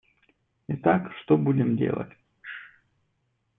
Итак, что будем делать?